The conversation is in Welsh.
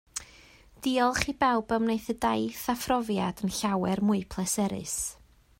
Diolch i bawb a wnaeth y daith a phrofiad yn llawer mwy pleserus